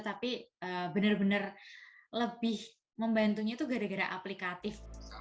tapi bener bener lebih membantunya tuh gara gara aplikatif